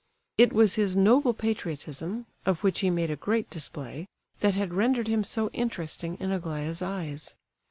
It was his noble patriotism, of which he made a great display, that had rendered him so interesting in Aglaya's eyes.